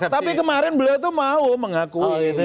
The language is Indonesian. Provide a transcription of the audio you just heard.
tapi kemarin beliau itu mau mengakui